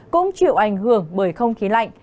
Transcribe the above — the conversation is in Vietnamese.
cũng chịu ảnh hưởng bởi không khí lạnh